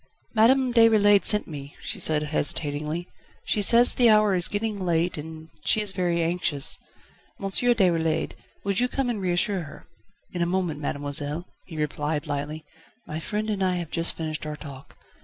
"Madame Déroulède sent me," she said hesitatingly, "she says the hour is getting late and she is very anxious. M. Déroulède, would you come and reassure her?" "In a moment, mademoiselle," he replied lightly, "my friend and I have just finished our talk.